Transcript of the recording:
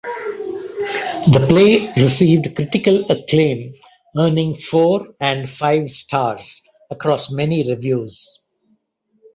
The play received critical acclaim earning four and five stars across many reviews.